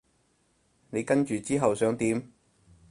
你跟住之後想點？